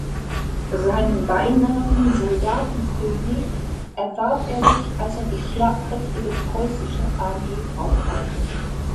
Seinen Beinamen „Soldatenkönig“ erwarb er sich, als er die schlagkräftige preußische Armee aufbaute.